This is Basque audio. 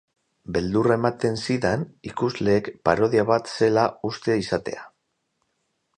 Beldurra ematen zidan ikusleek parodia bat zela uste izatea.